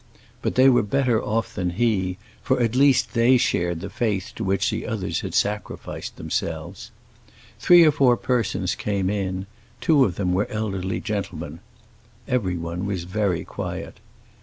But they were better off than he, for they at least shared the faith to which the others had sacrificed themselves. Three or four persons came in; two of them were elderly gentlemen. Everyone was very quiet.